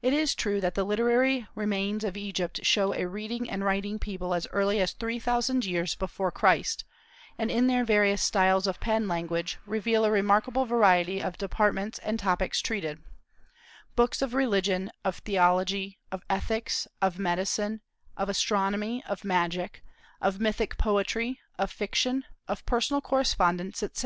It is true that the literary remains of Egypt show a reading and writing people as early as three thousand years before Christ, and in their various styles of pen language reveal a remarkable variety of departments and topics treated, books of religion, of theology, of ethics, of medicine, of astronomy, of magic, of mythic poetry, of fiction, of personal correspondence, etc.